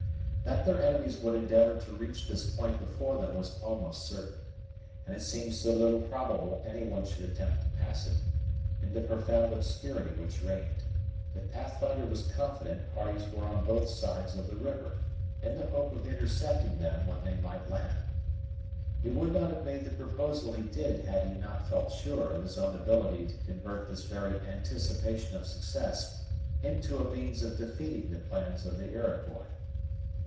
That their enemies would endeavor to reach this point before them was almost certain; and it seemed so little probable any one should attempt to pass it, in the profound obscurity which reigned, that Pathfinder was confident parties were on both sides of the river, in the hope of intercepting them when they might land. He would not have made the proposal he did had he not felt sure of his own ability to convert this very anticipation of success into a means of defeating the plans of the Iroquois.